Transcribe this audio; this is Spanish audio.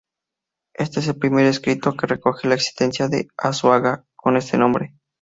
Este es el primer escrito que recoge la existencia de Azuaga con este nombre.